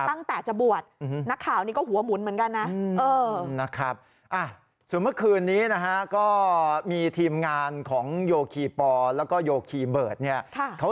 ตั้งแต่จะบวชนักข่าวนี้ก็หัวหมุนเหมือนกันนะ